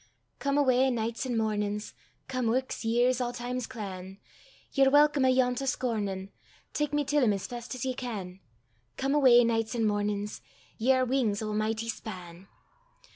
Come awa, nichts and mornin's, Come ooks, years, a' time's clan; Ye're walcome ayont a' scornin': Tak me till him as fest as ye can. Come awa, nichts an' mornin's, Ye are wings o' a michty span!